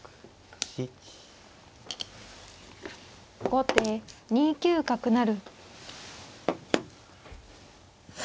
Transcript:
後手２九角成。